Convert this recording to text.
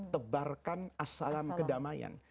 tebarkan asalam kedamaian